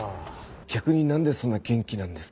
逆になんでそんな元気なんですか？